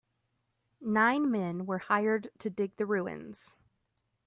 Nine men were hired to dig the ruins.